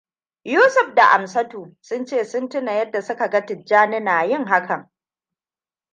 Yusuf da Amsatu sun ce sun tuna yadda suka ga Tijjani na yin hakan.